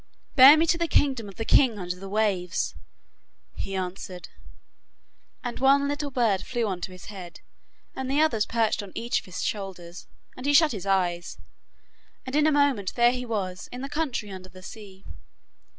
'Bear me to the kingdom of the king under the waves,' he answered, and one little bird flew on to his head, and the others perched on each of his shoulders, and he shut his eyes, and in a moment there he was in the country under the sea.